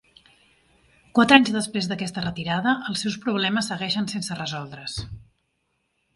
Quatre anys després d'aquesta retirada, els seus problemes segueixen sense resoldre's.